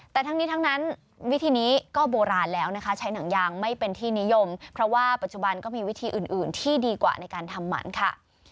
แต่ทั้งนี้ทั้งนั้นวิธีนี้ก็โบราณแล้วนะคะใช้หนังยางไม่เป็นที่นิยมเพราะว่าปัจจุบันก็มีวิธีอื่นที่ดีกว่าในการทำหมันค่ะ